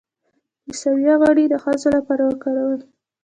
د سویا غوړي د ښځو لپاره وکاروئ